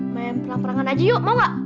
main pelan pelan aja yuk mau gak